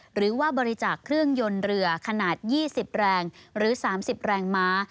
หรือว่าบริจาคเครื่องยนต์เรือขนาด๒๐แรงหรือ๓๐แรงม้า